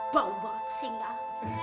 bau banget pusing dah